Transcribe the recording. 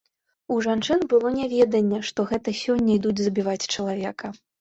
У жанчын было няведанне, што гэта сёння ідуць забіваць чалавека.